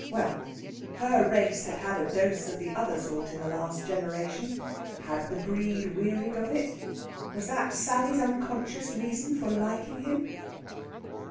Well, her race had had a dose of the other sort in the last generation. Had the breed wearied of it? Was that Sally's unconscious reason for liking him?